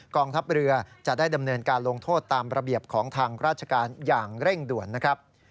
กองทัพเรือจะได้ดำเนินการลงโทษตามระเบียบของทางราชการอย่างเร่งด่วนนะครับ